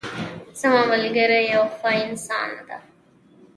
زما ملګری یو ښه انسان ده